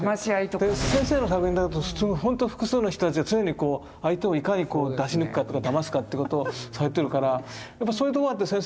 先生の作品になるとほんと複数の人たちが常にこう相手をいかに出し抜くかとかだますかってことをされてるからそういうところがあって先生